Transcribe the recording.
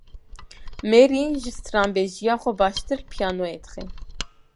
Mary ji stranbêjiya xwe baştir li piyanoyê dixe.